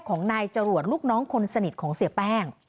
ของนายจรวดลูกน้องคนสนิทของเสียแป้ง